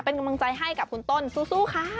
เป็นกำลังใจให้กับคุณต้นสู้ค่ะ